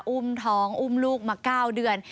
อุ้มท้องอุ้มลูกมา๙เดือน